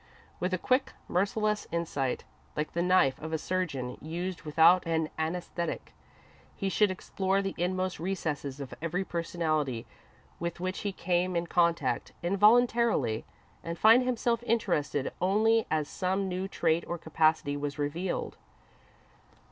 With a quick, merciless insight, like the knife of a surgeon used without an anæsthetic, he should explore the inmost recesses of every personality with which he came in contact, involuntarily, and find himself interested only as some new trait or capacity was revealed.